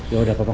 ya udah pak